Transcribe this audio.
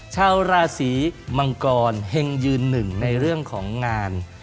ชาวราศีมังกรเฮงยืนหนึ่งในเรื่องของงาน